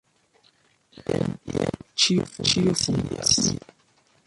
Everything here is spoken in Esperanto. Jen, ĉio funkcias.